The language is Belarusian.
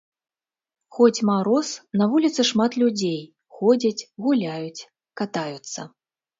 Хоць мароз, на вуліцы шмат людзей, ходзяць, гуляюць, катаюцца.